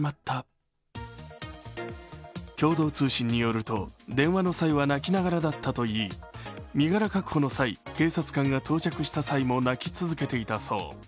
共同通信によると電話の際は泣きながらだったといい身柄確保の際、警察官が到着した際も泣き続けていたそう。